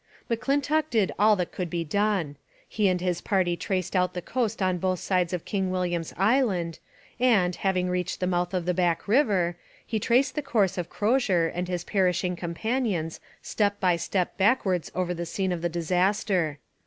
M'Clintock did all that could be done. He and his party traced out the coast on both sides of King William's Island, and, having reached the mouth of the Back river, he traced the course of Crozier and his perishing companions step by step backwards over the scene of the disaster.